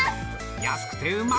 安くてうまい！